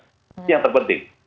ini yang terpenting